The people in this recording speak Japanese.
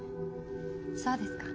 そうですか。